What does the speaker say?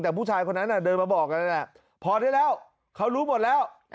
แต่ผู้ชายคนนั้นเดินมาบอกกันพอได้แล้วเขารู้หมดแล้ว